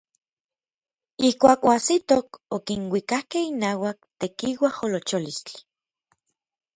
Ijkuak oajsitoj okinuikakej inauak tekiuajolocholistli.